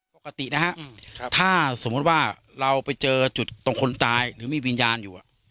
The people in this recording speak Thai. ปกตินะฮะถ้าสมมุติว่าเราไปเจอจุดตรงคนตายหรือมีวิญญาณอยู่